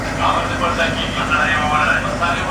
ایا موټر چلونکی به نن د خپلې کورنۍ لپاره ډېره ګټه وکړي؟